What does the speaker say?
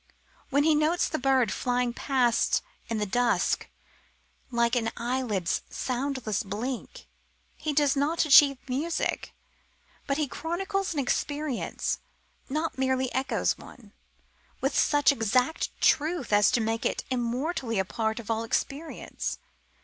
When he notes the bird flying past in the dusk, "like an eyelid's soundless blink," he does not achieve music, but he chronicles an experience, not merely echoes one, with such exact truth as to make it immortally a part of all experience.